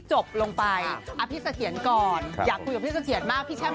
จบลงไปอ๋อพี่สะเทียนก่อนครับอยากคุยกับพี่สะเทียนมากพี่แชม